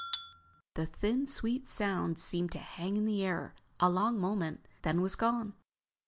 The thin, sweet sound seemed to hang in the air a long moment, then was gone.